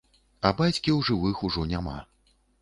А бацькі ў жывых ужо няма.